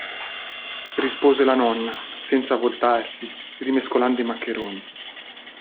Rispose la nonna, senza voltarsi, rimescolando i maccheroni.